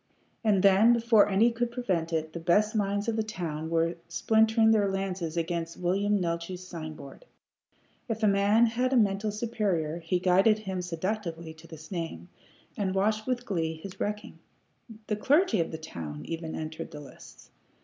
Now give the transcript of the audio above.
And then, before any could prevent it, the best minds of the town were splintering their lances against William Neeltje's sign board. If a man had a mental superior, he guided him seductively to this name, and watched with glee his wrecking. The clergy of the town even entered the lists.